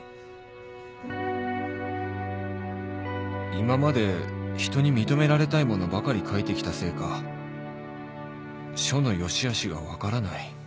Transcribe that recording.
今まで人に認められたいものばかり書いてきたせいか書の良しあしが分からない